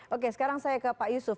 oke sekarang saya ke pak yusuf